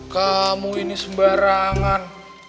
kamu ini sembarangan